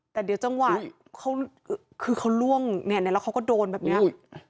แต่เดี๋ยวจังหวะเขาคือเขาล่วงเนี่ยแล้วเขาก็โดนแบบนี้